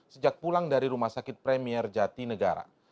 sejak pulang dari rumah sakit premier jati negara